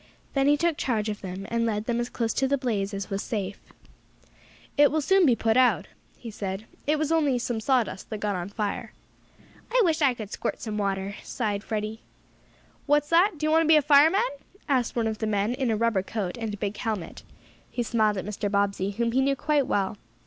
Then he took charge of them, and led them as close to the blaze as was safe. "It will soon be out," he said. "It was only some sawdust that got on fire." "I wish I could squirt some water!" sighed Freddie. "What's that? Do you want to be a fireman?" asked one of the men in a rubber coat and a big helmet. He smiled at Mr. Bobbsey, whom he knew quite well.